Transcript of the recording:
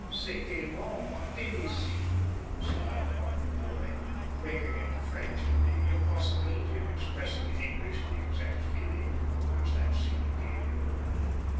"C'est tellement intime ici," smiled Dr Porhoët, breaking into French in the impossibility of expressing in English the exact feeling which that scene gave him.